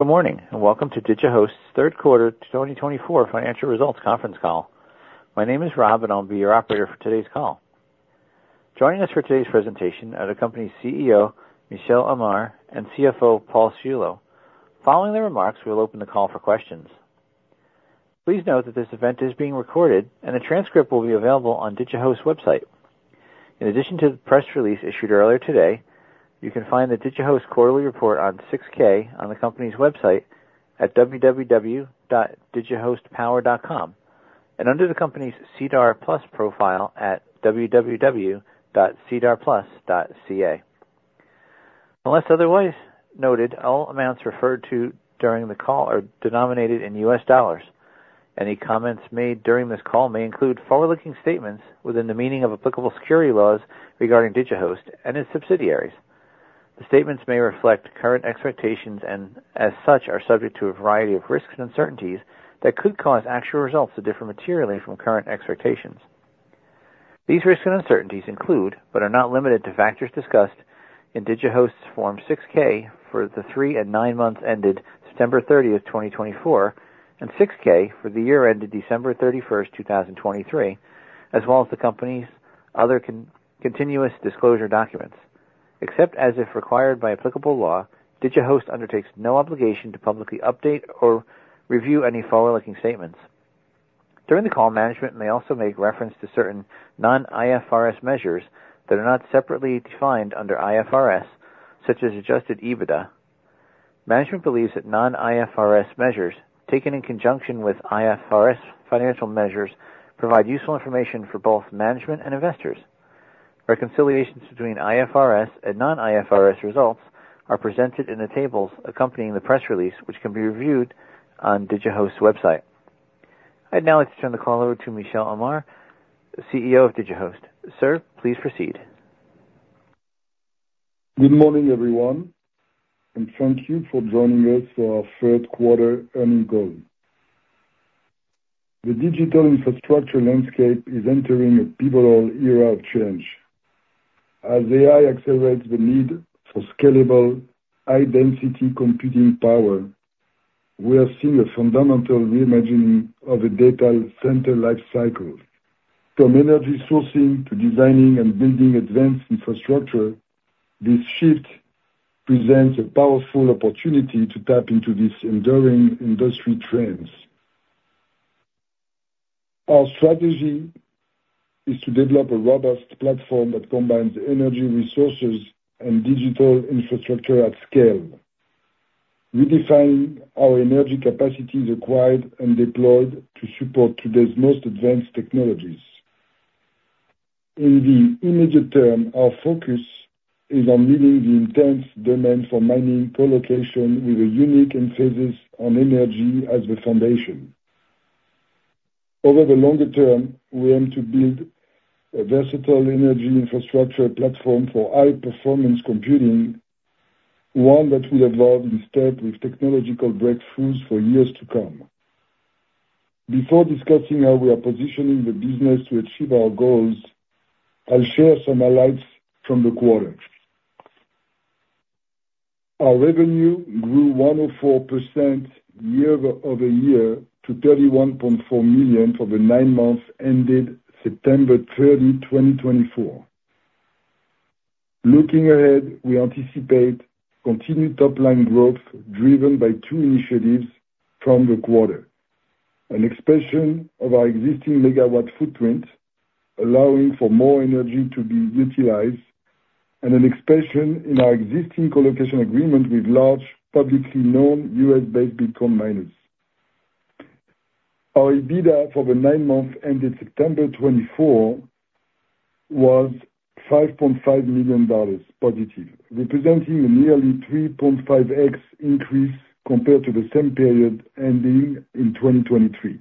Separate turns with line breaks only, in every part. Good morning and welcome to Digihost's Third Quarter 2024 Financial Results Conference Call. My name is Rob, and I'll be your operator for today's call. Joining us for today's presentation are the company's CEO, Michel Amar, and CFO, Paul Ciullo. Following their remarks, we'll open the call for questions. Please note that this event is being recorded, and the transcript will be available on Digihost's website. In addition to the press release issued earlier today, you can find the Digihost quarterly report on 6-K on the company's website at www.digihostpower.com and under the company's SEDAR+ profile at www.sedarplus.ca. Unless otherwise noted, all amounts referred to during the call are denominated in U.S. dollars. Any comments made during this call may include forward-looking statements within the meaning of applicable security laws regarding Digihost and its subsidiaries. The statements may reflect current expectations and, as such, are subject to a variety of risks and uncertainties that could cause actual results to differ materially from current expectations. These risks and uncertainties include, but are not limited to, factors discussed in Digihost's Form 6-K for the three and nine months ended September 30th, 2024, and 6-K for the year ended December 31st, 2023, as well as the company's other continuous disclosure documents. Except as required by applicable law, Digihost undertakes no obligation to publicly update or revise any forward-looking statements. During the call, management may also make reference to certain non-IFRS measures that are not separately defined under IFRS, such as Adjusted EBITDA. Management believes that non-IFRS measures taken in conjunction with IFRS financial measures provide useful information for both management and investors. Reconciliations between IFRS and non-IFRS results are presented in the tables accompanying the press release, which can be reviewed on Digihost's website. I'd now like to turn the call over to Michel Amar, CEO of Digihost. Sir, please proceed.
Good morning, everyone, and thank you for joining us for our third quarter earnings call. The digital infrastructure landscape is entering a pivotal era of change. As AI accelerates the need for scalable high-density computing power, we are seeing a fundamental reimagining of the data center lifecycle. From energy sourcing to designing and building advanced infrastructure, this shift presents a powerful opportunity to tap into these enduring industry trends. Our strategy is to develop a robust platform that combines energy resources and digital infrastructure at scale. We define our energy capacities acquired and deployed to support today's most advanced technologies. In the immediate term, our focus is on meeting the intense demand for mining colocation with a unique emphasis on energy as the foundation. Over the longer term, we aim to build a versatile energy infrastructure platform for high-performance computing, one that will evolve in step with technological breakthroughs for years to come. Before discussing how we are positioning the business to achieve our goals, I'll share some highlights from the quarter. Our revenue grew 104% year-over-year to $31.4 million for the nine months ended September 30, 2024. Looking ahead, we anticipate continued top-line growth driven by two initiatives from the quarter: an expansion of our existing MW footprint, allowing for more energy to be utilized, and an expansion in our existing colocation agreement with large publicly known U.S.-based Bitcoin miners. Our EBITDA for the nine months ended September 2024 was $5.5+ million, representing a nearly 3.5x increase compared to the same period ending in 2023.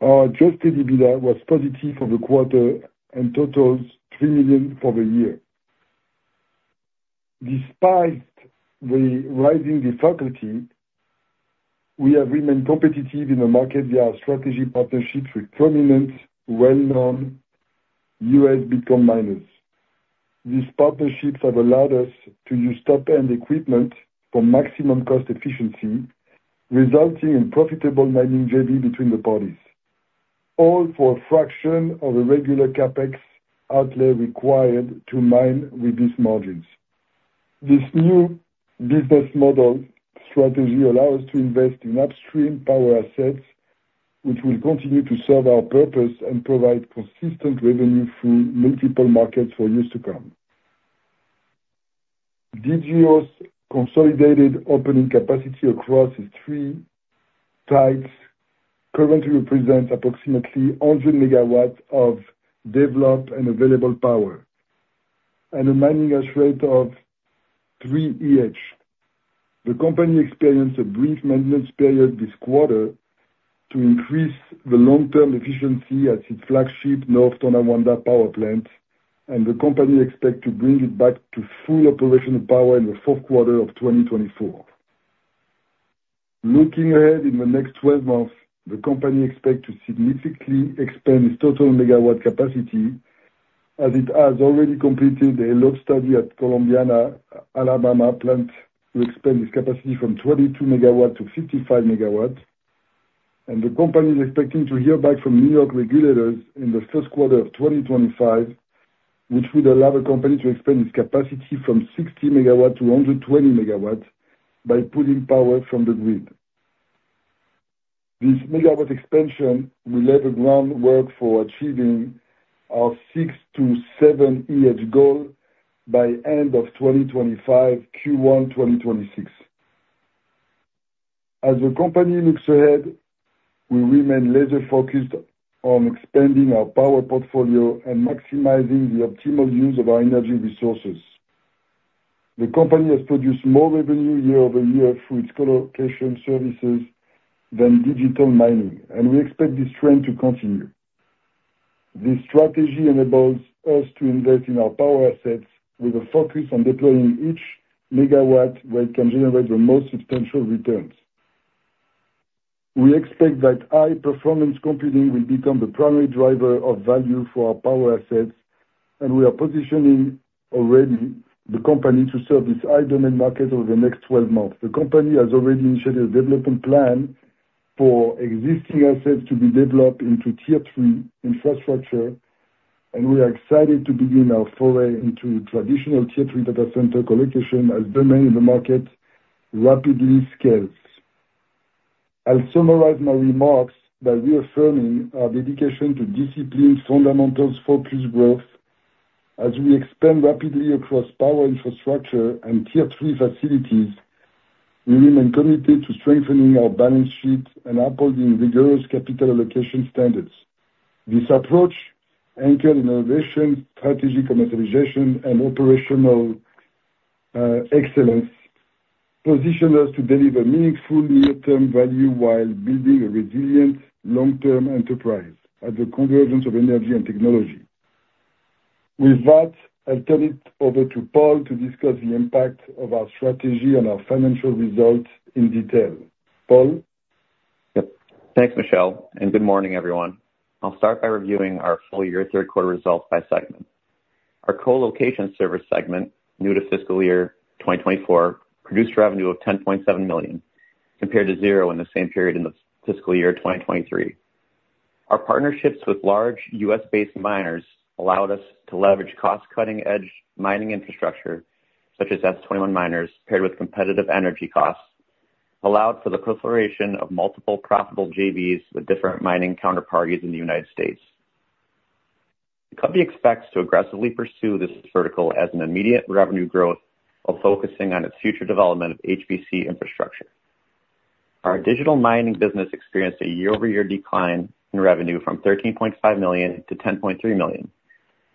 Our adjusted EBITDA was positive for the quarter and totals $3 million for the year. Despite rising difficulty, we have remained competitive in the market via our strategic partnerships with prominent, well-known U.S. Bitcoin miners. These partnerships have allowed us to use top-end equipment for maximum cost efficiency, resulting in profitable mining JV between the parties, all for a fraction of the regular CapEx outlay required to mine with these margins. This new business model strategy allows us to invest in upstream power assets, which will continue to serve our purpose and provide consistent revenue through multiple markets for years to come. Digihost's consolidated opening capacity across its three sites currently represents approximately 100 MW of developed and available power, and the mining has shrunk to 3 EH. The company experienced a brief maintenance period this quarter to increase the long-term efficiency at its flagship North Tonawanda power plant, and the company expects to bring it back to full operational power in the fourth quarter of 2024. Looking ahead in the next 12 months, the company expects to significantly expand its total MW capacity, as it has already completed a load study at Columbiana, Alabama, planned to expand its capacity from 22 MW to 55 MW, and the company is expecting to hear back from New York regulators in the first quarter of 2025, which would allow the company to expand its capacity from 60 MW to 120 MW by pulling power from the grid. This MW expansion will lay the groundwork for achieving our 6 EH-7 EH goal by the end of 2025 Q1 2026. As the company looks ahead, we remain laser-focused on expanding our power portfolio and maximizing the optimal use of our energy resources. The company has produced more revenue year-over-year through its colocation services than digital mining, and we expect this trend to continue. This strategy enables us to invest in our power assets with a focus on deploying each MW where it can generate the most substantial returns. We expect that high-performance computing will become the primary driver of value for our power assets, and we are positioning already the company to serve this high-demand market over the next 12 months. The company has already initiated a development plan for existing assets to be developed into Tier 3 infrastructure, and we are excited to begin our foray into traditional Tier 3 data center colocation as demand in the market rapidly scales. I'll summarize my remarks by reaffirming our dedication to disciplined fundamentals-focused growth. As we expand rapidly across power infrastructure and Tier 3 facilities, we remain committed to strengthening our balance sheet and upholding rigorous capital allocation standards. This approach, anchored in innovation, strategic commercialization, and operational excellence, positions us to deliver meaningful near-term value while building a resilient long-term enterprise at the convergence of energy and technology. With that, I'll turn it over to Paul to discuss the impact of our strategy on our financial results in detail. Paul?
Yep. Thanks, Michel, and good morning, everyone. I'll start by reviewing our full year third quarter results by segment. Our colocation service segment, new to fiscal year 2024, produced revenue of $10.7 million, compared to zero in the same period in the fiscal year 2023. Our partnerships with large U.S.-based miners allowed us to leverage cost-cutting-edge mining infrastructure, such as S21 miners, paired with competitive energy costs, allowed for the proliferation of multiple profitable JVs with different mining counterparties in the United States. Company expects to aggressively pursue this vertical as an immediate revenue growth while focusing on its future development of HPC infrastructure. Our digital mining business experienced a year-over-year decline in revenue from $13.5 million to $10.3 million,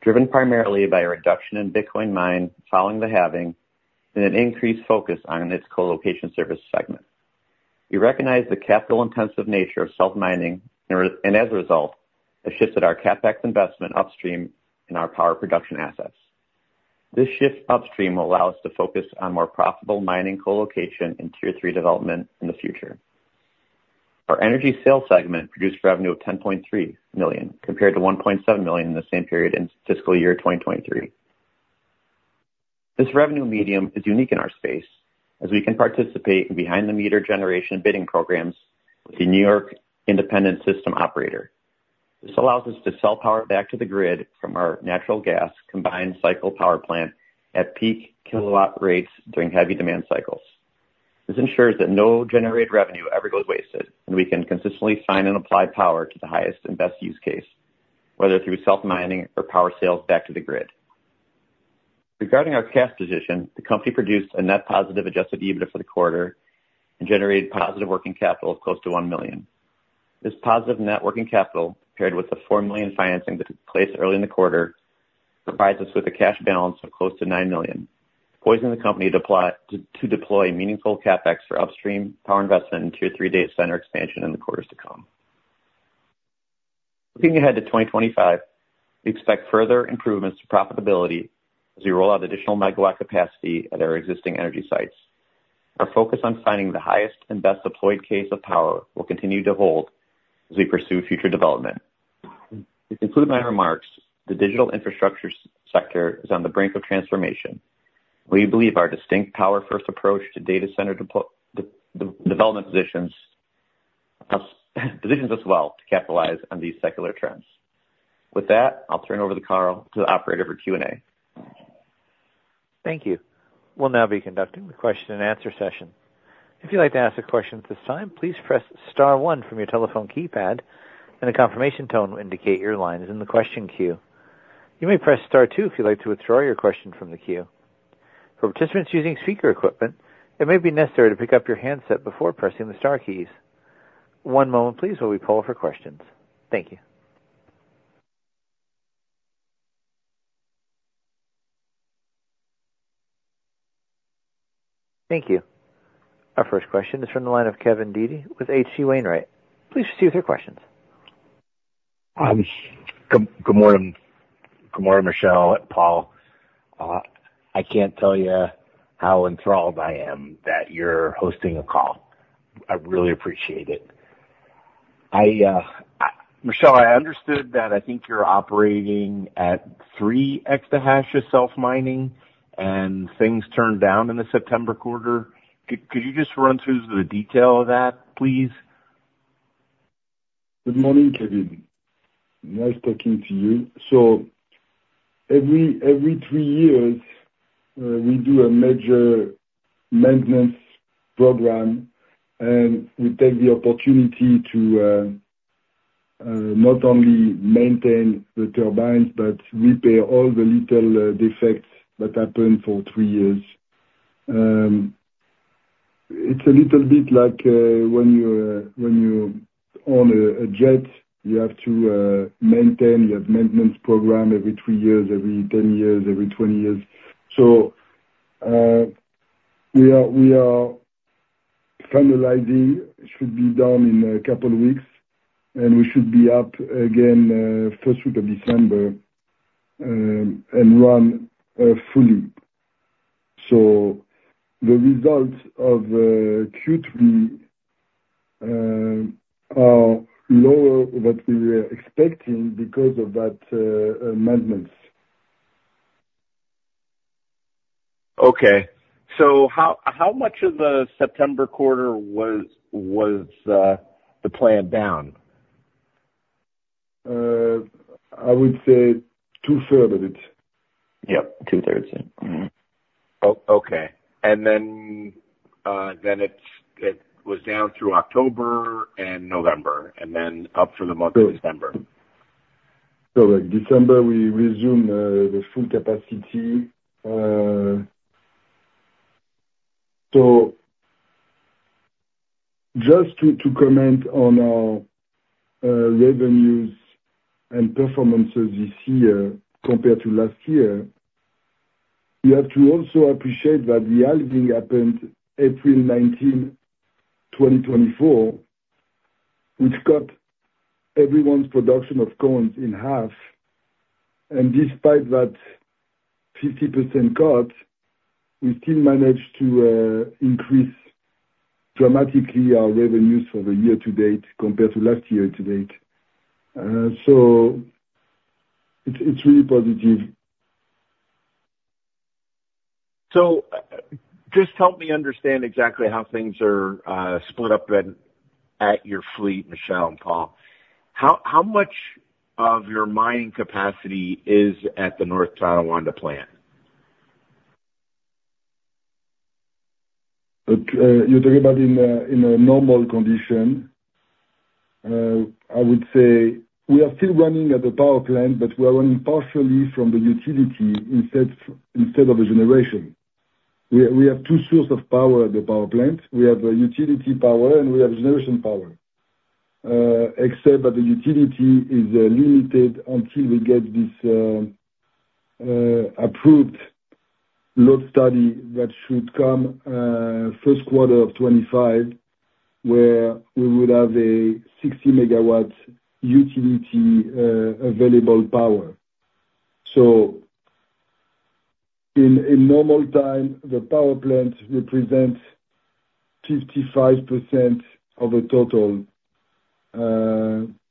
driven primarily by a reduction in Bitcoin mined following the halving and an increased focus on its colocation service segment. We recognize the capital-intensive nature of self-mining and, as a result, have shifted our CapEx investment upstream in our power production assets. This shift upstream will allow us to focus on more profitable mining colocation and Tier 3 development in the future. Our energy sales segment produced revenue of $10.3 million, compared to $1.7 million in the same period in fiscal year 2023. This revenue medium is unique in our space, as we can participate in behind-the-meter generation bidding programs with the New York Independent System Operator. This allows us to sell power back to the grid from our natural gas combined cycle power plant at peak kilowatt rates during heavy demand cycles. This ensures that no generated revenue ever goes wasted, and we can consistently find and apply power to the highest and best use case, whether through self-mining or power sales back to the grid. Regarding our cash position, the company produced a net positive Adjusted EBITDA for the quarter and generated positive working capital of close to $1 million. This positive net working capital, paired with the $4 million financing that took place early in the quarter, provides us with a cash balance of close to $9 million, positioning the company to deploy meaningful CapEx for upstream power investment and Tier 3 data center expansion in the quarters to come. Looking ahead to 2025, we expect further improvements to profitability as we roll out additional MW capacity at our existing energy sites. Our focus on finding the highest and best use case of power will continue to hold as we pursue future development. To conclude my remarks, the digital infrastructure sector is on the brink of transformation, and we believe our distinct power-first approach to data center development positions us well to capitalize on these secular trends. With that, I'll turn it over to the operator for Q&A.
Thank you. We'll now be conducting the question-and-answer session. If you'd like to ask a question at this time, please press star one from your telephone keypad, and a confirmation tone will indicate your line is in the question queue. You may press star two if you'd like to withdraw your question from the queue. For participants using speaker equipment, it may be necessary to pick up your handset before pressing the star keys. One moment, please, while we pull for questions. Thank you. Thank you. Our first question is from the line of Kevin Dede with H.C. Wainwright. Please proceed with your questions.
Good morning, Michel and Paul. I can't tell you how enthralled I am that you're hosting a call. I really appreciate it. Michel, I understood that I think you're operating at three exahashes self-mining, and things turned down in the September quarter. Could you just run through the detail of that, please?
Good morning, Kevin. Nice talking to you. So every three years, we do a major maintenance program, and we take the opportunity to not only maintain the turbines but repair all the little defects that happened for three years. It's a little bit like when you own a jet. You have to maintain your maintenance program every three years, every 10 years, every 20 years. So we are finalizing. It should be done in a couple of weeks, and we should be up again first week of December and run fully. So the results of Q3 are lower than we were expecting because of that maintenance.
Okay. So how much of the September quarter was the plan down?
I would say two-thirds of it.
Yep, two-thirds. Okay. And then it was down through October and November, and then up for the month of December.
Correct. Correct. December, we resumed the full capacity, so just to comment on our revenues and performances this year compared to last year, you have to also appreciate that the halving happened April 19, 2024, which cut everyone's production of coins in half, and despite that 50% cut, we still managed to increase dramatically our revenues for the year-to-date compared to last year-to-date, so it's really positive.
So just help me understand exactly how things are split up at your fleet, Michel and Paul. How much of your mining capacity is at the North Tonawanda plant?
You're talking about in a normal condition? I would say we are still running at the power plant, but we are running partially from the utility instead of the generation. We have two sources of power at the power plant. We have utility power, and we have generation power, except that the utility is limited until we get this approved load study that should come first quarter of 2025, where we would have a 60 MW utility available power. So in normal time, the power plant represents 55% of the total.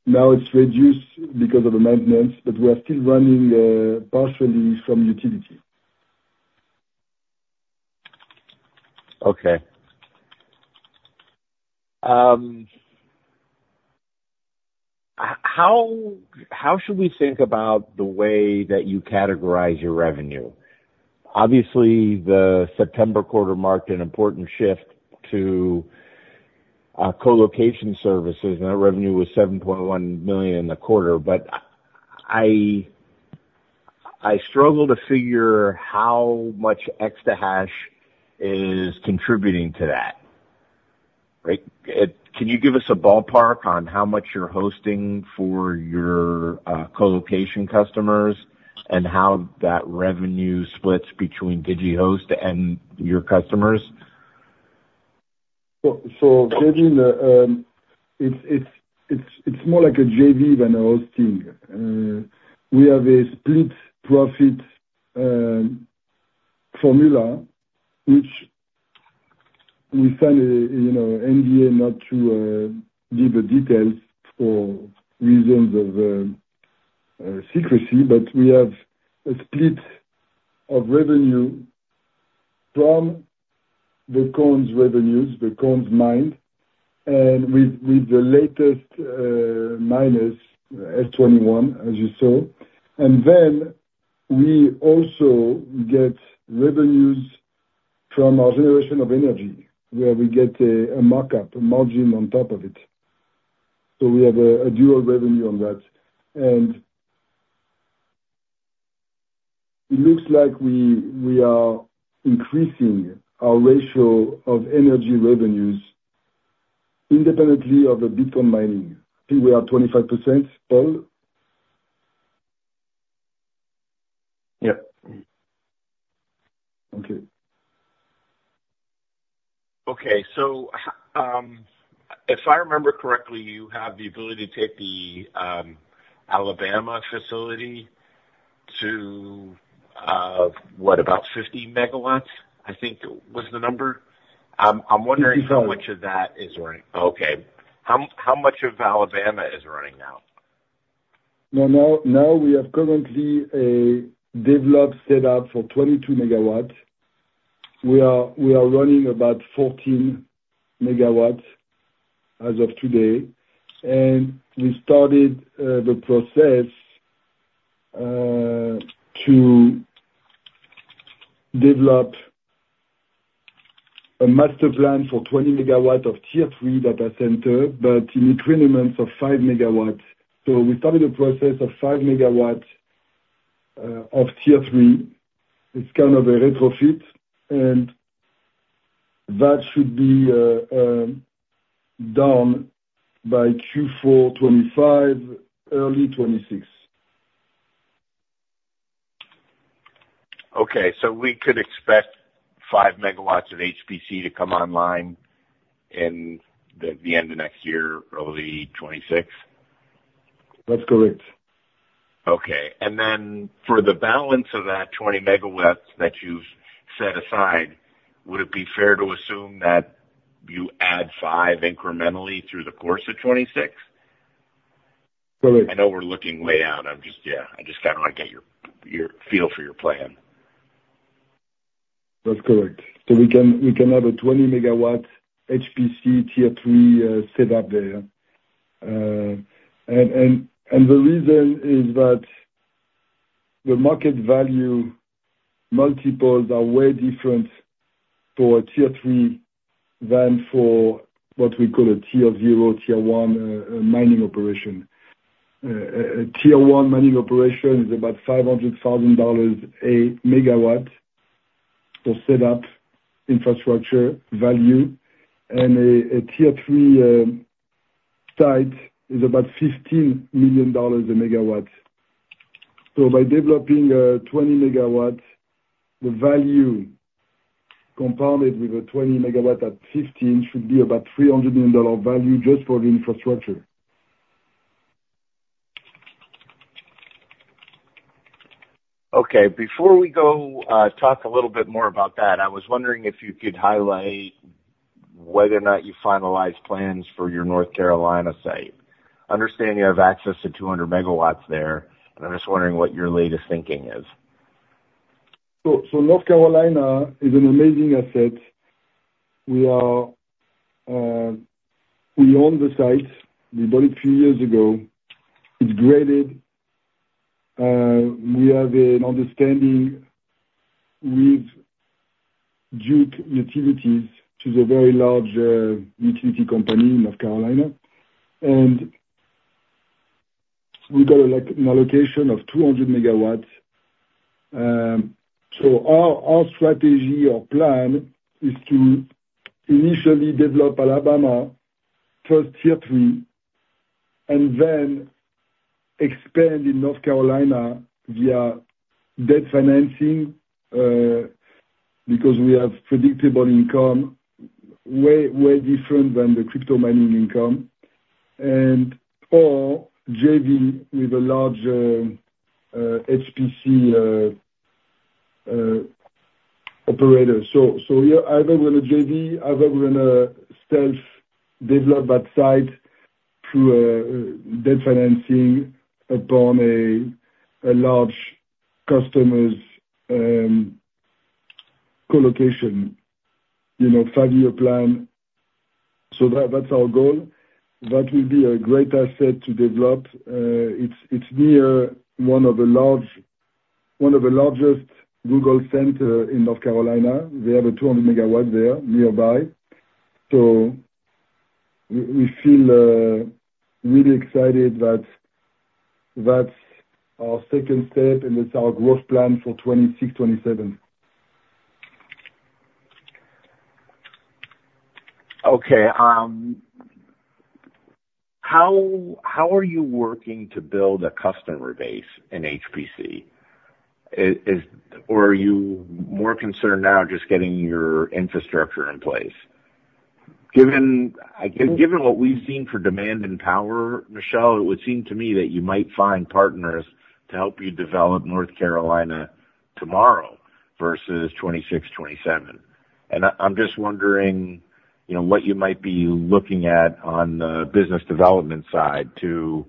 Now it's reduced because of the maintenance, but we are still running partially from utility.
Okay. How should we think about the way that you categorize your revenue? Obviously, the September quarter marked an important shift to colocation services, and that revenue was $7.1 million in the quarter. But I struggle to figure how much exahash is contributing to that. Can you give us a ballpark on how much you're hosting for your colocation customers and how that revenue splits between Digihost and your customers?
Kevin, it's more like a JV than a hosting. We have a split profit formula, which we signed an NDA not to give the details for reasons of secrecy, but we have a split of revenue from the coin revenues, the coins mined, and with the latest miners, S21, as you saw. And then we also get revenues from our generation of energy, where we get a markup, a margin on top of it. So we have a dual revenue on that. And it looks like we are increasing our ratio of energy revenues independently of the Bitcoin mining. I think we are 25%, Paul?
Yep.
Okay.
Okay, so if I remember correctly, you have the ability to take the Alabama facility to what, about 50 MW, I think was the number? I'm wondering how much of that is running.
Exactly.
Okay. How much of Alabama is running now?
No, no. We have currently a developed setup for 22 MW. We are running about 14 MW as of today. And we started the process to develop a master plan for 20 MW of Tier 3 data center, but in increments of 5 MW. So we started the process of 5 MW of Tier 3. It's kind of a retrofit, and that should be done by Q4 2025, early 2026.
Okay. So we could expect five MW of HPC to come online in the end of next year, early 2026?
That's correct.
Okay. And then for the balance of that 20 MW that you've set aside, would it be fair to assume that you add five incrementally through the course of 2026?
Correct.
I know we're looking way out. Yeah. I just kind of want to get your feel for your plan.
That's correct. So we can have a 20 MW HPC Tier 3 setup there. And the reason is that the market value multiples are way different for Tier 3 than for what we call a Tier 0, Tier 1 mining operation. A Tier 1 mining operation is about $500,000 a megawatt for setup infrastructure value, and a Tier 3 site is about $15 million a megawatt. So by developing 20 MW, the value compounded with a 20 MW at $15 million should be about $300 million value just for the infrastructure.
Okay. Before we go talk a little bit more about that, I was wondering if you could highlight whether or not you finalized plans for your North Carolina site. I understand you have access to 200 MW there, and I'm just wondering what your latest thinking is?
North Carolina is an amazing asset. We own the site. We bought it a few years ago. It's graded. We have an understanding with Duke Energy, which is a very large utility company in North Carolina. We got an allocation of 200 MW. Our strategy or plan is to initially develop Alabama first Tier 3 and then expand in North Carolina via debt financing because we have predictable income way different than the crypto mining income, or JV with a large HPC operator. Either we're going to JV, either we're going to self-develop that site through debt financing upon a large customer's colocation, five-year plan. That's our goal. That will be a great asset to develop. It's near one of the largest Google centers in North Carolina. They have a 200 MW there nearby. So we feel really excited that that's our second step, and it's our growth plan for 2026, 2027.
Okay. How are you working to build a customer base in HPC? Or are you more concerned now just getting your infrastructure in place? Given what we've seen for demand and power, Michel, it would seem to me that you might find partners to help you develop North Carolina tomorrow versus 2026, 2027. And I'm just wondering what you might be looking at on the business development side to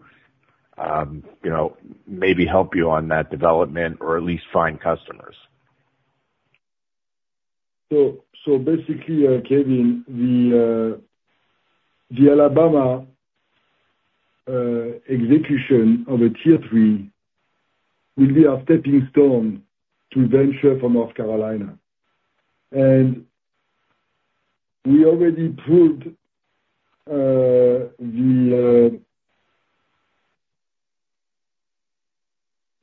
maybe help you on that development or at least find customers.
So basically, Kevin, the Alabama execution of a Tier 3 will be our stepping stone to venture for North Carolina. And we already proved the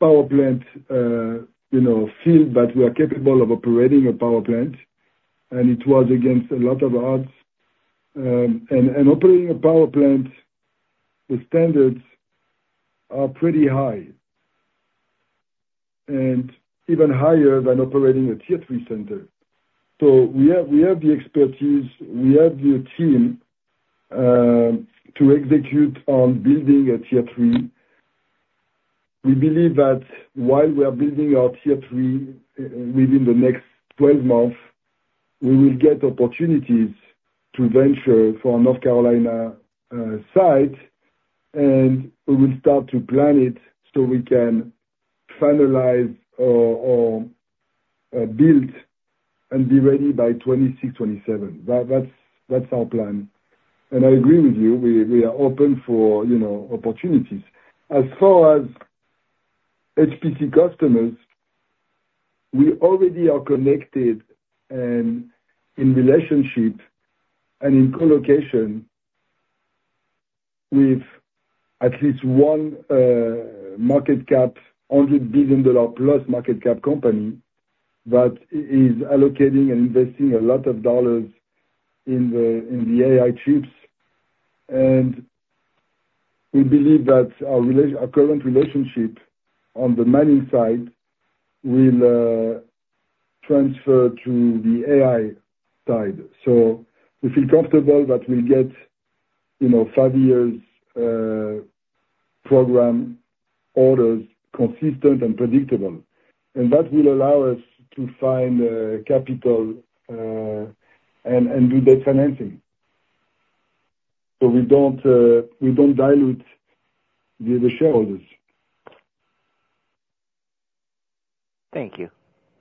power plant field that we are capable of operating a power plant, and it was against a lot of odds. And operating a power plant, the standards are pretty high and even higher than operating a Tier 3 center. So we have the expertise. We have the team to execute on building a Tier 3. We believe that while we are building our Tier 3 within the next 12 months, we will get opportunities to venture for a North Carolina site, and we will start to plan it so we can finalize or build and be ready by 2026, 2027. That's our plan. And I agree with you. We are open for opportunities. As far as HPC customers, we already are connected and in relationship and in colocation with at least one market cap, $100 billion+ market cap company that is allocating and investing a lot of dollars in the AI chips. We believe that our current relationship on the mining side will transfer to the AI side. We feel comfortable that we'll get five-year program orders consistent and predictable. That will allow us to find capital and do debt financing so we don't dilute the shareholders.
Thank you.